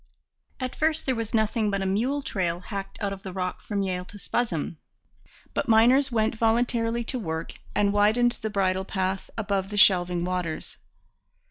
At first there was nothing but a mule trail hacked out of the rock from Yale to Spuzzum; but miners went voluntarily to work and widened the bridle path above the shelving waters.